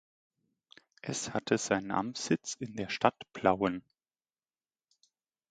Es hatte seinen Amtssitz in der Stadt Plauen.